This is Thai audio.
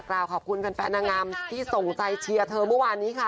กล่าวขอบคุณแฟนนางงามที่ส่งใจเชียร์เธอเมื่อวานนี้ค่ะ